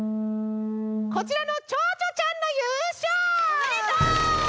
こちらのちょうちょちゃんのゆうしょう！